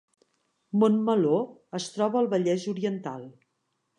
Montmeló es troba al Vallès Oriental